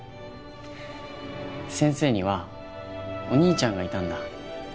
先生にはお兄ちゃんがいたんだ。